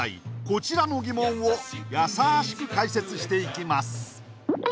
こちらの疑問をやさしく解説していきます